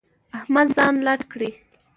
احمد ځان لټ کړی.